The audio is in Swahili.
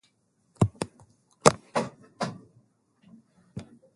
kwa lengo la kutafuta suluhu ya amani kwa mizozo